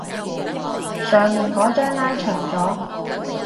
上面嗰張拉長咗